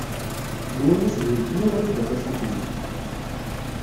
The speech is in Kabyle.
Nwan-as d uletma Wrida Tasaḥlit.